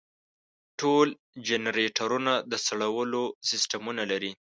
ټول جنریټرونه د سړولو سیستمونه لري.